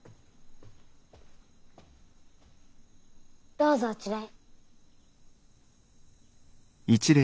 どうぞあちらへ。